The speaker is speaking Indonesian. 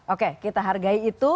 oke kita hargai itu